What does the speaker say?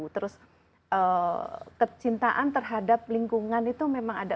terus kecintaan terhadap lingkungan itu memang ada